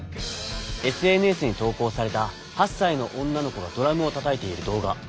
ＳＮＳに投稿された８さいの女の子がドラムをたたいている動画。